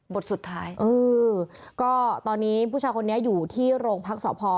สุดท้ายเออก็ตอนนี้ผู้ชายคนนี้อยู่ที่โรงพักสพ